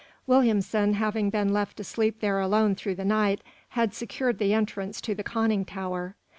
Williamson, having been left to sleep there alone through the night, had secured the entrance to the conning tower.